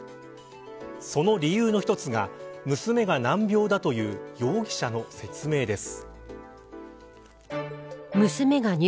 その理由の一つが娘が難病だという容疑者の説明です。